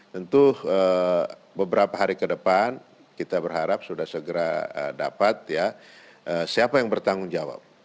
tentu beberapa hari ke depan kita berharap sudah segera dapat ya siapa yang bertanggung jawab